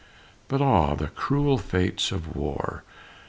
But ah, the cruel fates of war!